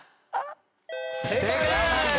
正解！